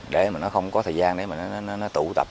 để mà nó không có thời gian để mà nó tụ tập